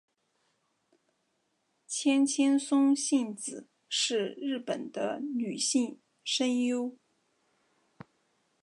千千松幸子是日本的女性声优。